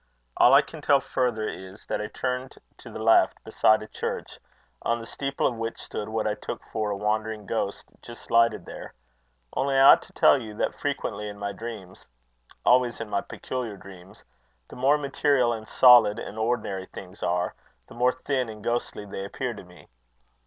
All I can tell further is, that I turned to the left beside a church, on the steeple of which stood what I took for a wandering ghost just lighted there; only I ought to tell you, that frequently in my dreams always in my peculiar dreams the more material and solid and ordinary things are, the more thin and ghostly they appear to me.